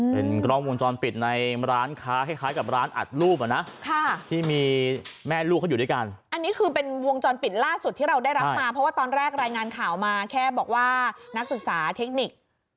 เป็นกล้องวงจรปิดในร้านค้าคล้ายกับร้านอัดรูปอ่ะนะที่มีแม่ลูกเขาอยู่ด้วยกันอันนี้คือเป็นวงจรปิดล่าสุดที่เราได้รับมาเพราะว่าตอนแรกรายงานข่าวมาแค่บอกว่านักศึกษาเทคนิค